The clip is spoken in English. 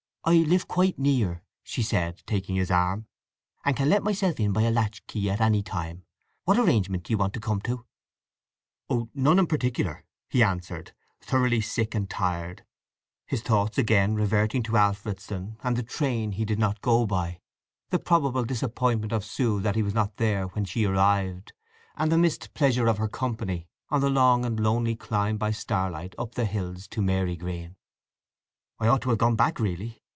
"I live quite near," she said, taking his arm, "and can let myself in by a latch key at any time. What arrangement do you want to come to?" "Oh—none in particular," he answered, thoroughly sick and tired, his thoughts again reverting to Alfredston, and the train he did not go by; the probable disappointment of Sue that he was not there when she arrived, and the missed pleasure of her company on the long and lonely climb by starlight up the hills to Marygreen. "I ought to have gone back really!